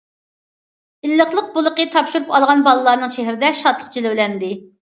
ئىللىقلىق بولىقى تاپشۇرۇپ ئالغان بالىلارنىڭ چېھرىدە شادلىق جىلۋىلەندى.